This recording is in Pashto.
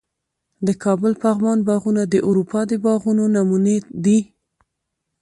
د کابل پغمان باغونه د اروپا د باغونو نمونې دي